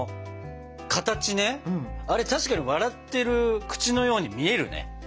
あれ確かに笑ってる口のように見えるね。